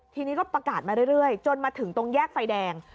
ทีนี้ก็ประกาศมาเรื่อยจนมาถึงตรงแยกไฟแดง